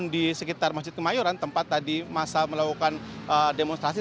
di sekitar masjid kemayoran tempat tadi masa melakukan demonstrasi